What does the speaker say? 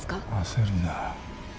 焦るな。